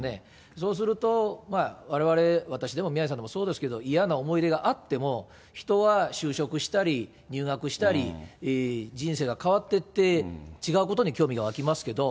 そうすると、われわれ、私でも宮根さんでもそうですけど、嫌な思い出があっても、人は就職したり、入学したり、人生が変わってって、違うことに興味が湧きますけれども。